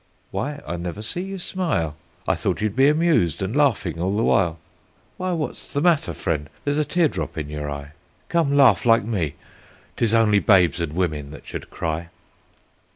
Why, I never see you smile, I thought you'd be amused, and laughing all the while. Why, what's the matter, friend? There's a tear drop in you eye, Come, laugh like me. 'Tis only babes and women that should cry.